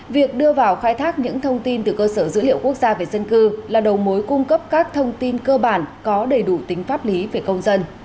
việc đưa vào khai thác những thông tin từ cơ sở dữ liệu quốc gia về dân cư là đầu mối cung cấp các thông tin cơ bản có đầy đủ tính pháp lý về công dân